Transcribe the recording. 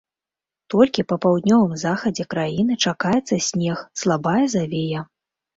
Толькі па паўднёвым захадзе краіны чакаецца снег, слабая завея.